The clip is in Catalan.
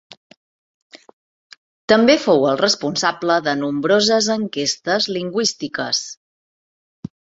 També fou el responsable de nombroses enquestes lingüístiques.